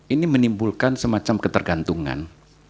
ini menimbulkan semacam ketergantungan